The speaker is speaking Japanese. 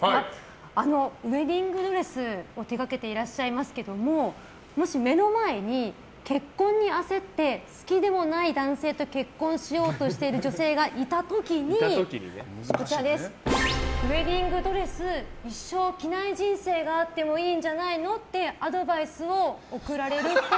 ウェディングドレスを手掛けていらっしゃいますがもし、目の前に結婚に焦って好きでもない男性と結婚しようとしてる女性がいた時にウェディングドレス一生着ない人生があってもいいんじゃないのってアドバイスを送られるっぽい。